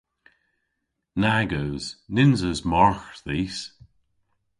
Nag eus. Nyns eus margh dhis.